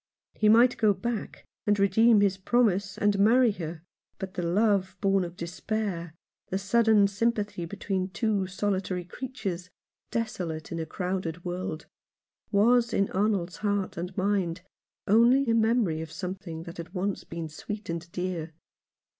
He might go back, and redeem his promise, and marry her. But the love born of despair, the sudden sympathy between two solitary creatures, desolate in a crowded world, was in Arnold's heart and mind only a memory of something that had once been sweet and dear.